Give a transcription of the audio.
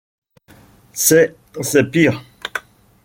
C’est… c’est pire.